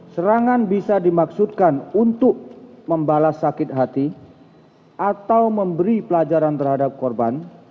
serangan bisa dimaksudkan untuk membalas sakit hati atau memberi pelajaran terhadap korban